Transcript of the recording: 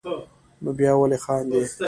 نو بیا ولې خاندې.